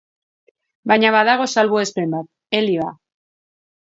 Baina badago salbuespen bat: helioa.